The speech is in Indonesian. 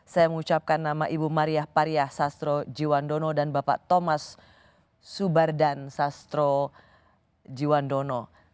saya mengucapkan nama ibu maria pariah sastro jiwandono dan bapak thomas subardan sastro jiwandono